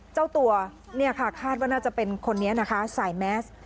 เจ้าตัวคาดว่าน่าจะเป็นคนนี้ใส่แมส